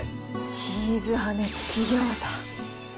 チーズ羽根つき餃子？